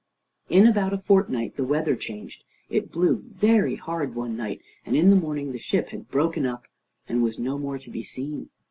In about a fortnight the weather changed; it blew very hard one night, and in the morning the ship had broken up, and was no more to be seen.